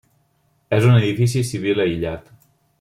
És un edifici civil aïllat.